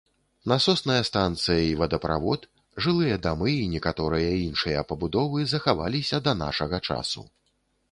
Насосная станцыя і водаправод, жылыя дамы і некаторыя іншыя пабудовы захаваліся да нашага часу.